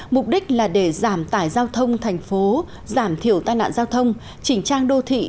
mục đích là để giảm tải giao thông thành phố giảm thiểu tai nạn giao thông chỉnh trang đô thị